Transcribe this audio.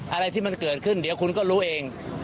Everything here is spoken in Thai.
อะไรที่มันเกิดขึ้นเดี๋ยวคุณก็รู้เอง